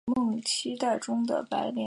郗恢人。